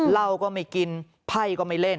เหล้าก็ไม่กินไพ่ก็ไม่เล่น